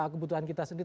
kebutuhan kita sendiri